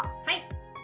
はい！